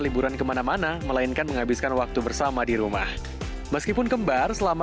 liburan kemana mana melainkan menghabiskan waktu bersama di rumah meskipun kembar selama